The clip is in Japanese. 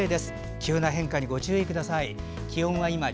急な変化にご注意ください。